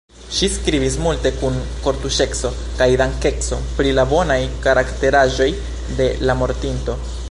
Ŝi skribis multe, kun kortuŝeco kaj dankeco, pri la bonaj karakteraĵoj de la mortinto.